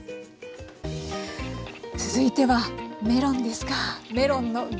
続いてはメロンですか！